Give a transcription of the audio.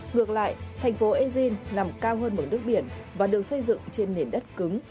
ngược lại thành phố eugene nằm cao hơn mức nước biển và được xây dựng trên nền đất cứng